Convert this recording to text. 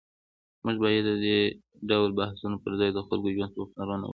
موږ باید د دې ډول بحثونو پر ځای د خلکو ژوند ته پاملرنه وکړو.